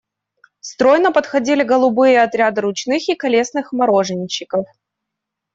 Стройно подходили голубые отряды ручных и колесных мороженщиков.